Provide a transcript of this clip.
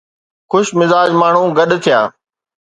خوش مزاج ماڻهو گڏ ٿيا.